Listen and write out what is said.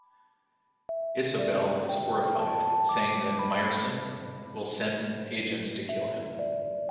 Isobel is horrified, saying that Myerson will send agents to kill him.